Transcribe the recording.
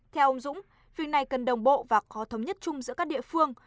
theo ông dũng việc này cần đồng bộ và khó thống nhất chung giữa các địa phương